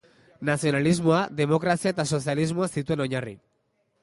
Nazionalismoa, demokrazia eta sozialismoa zituen oinarri.